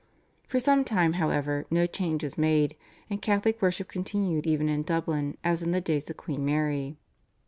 " For some time, however, no change was made, and Catholic worship continued even in Dublin as in the days of Queen Mary.